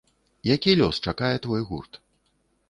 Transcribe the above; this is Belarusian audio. Які лёс чакае твой гурт?